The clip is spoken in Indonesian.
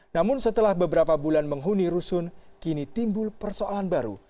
namun setelah beberapa bulan menghuni rusun kini timbul persoalan baru